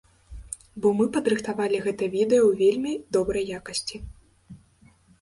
Бо мы падрыхтавалі гэта відэа ў вельмі добрай якасці.